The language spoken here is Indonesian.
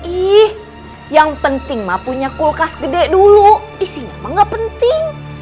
ih yang penting mah punya kulkas gede dulu isinya emang gak penting